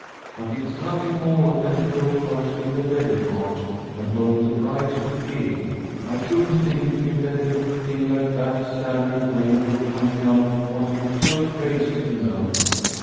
But it's nothing more than to go first in the wedding march, and hold the bride's bouquet. I shouldn't think you'd let a little thing like that stand in the way of your finding out what you're so crazy to know."